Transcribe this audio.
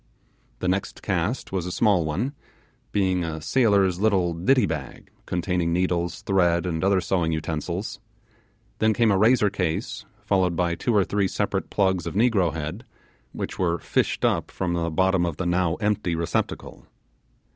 The next cast was a small one, being a sailor's little 'ditty bag', containing needles, thread, and other sewing utensils, then came a razor case, followed by two or three separate plugs of negro head, which were fished up from the bottom of the now empty receptacle.